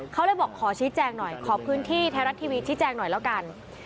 เขาเลยบอกขอชี้แจงหน่อยขอพื้นที่ไทยรัฐทีวีชี้แจงหน่อยแล้วกัน